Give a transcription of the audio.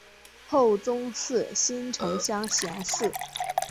后崇祀新城乡贤祠。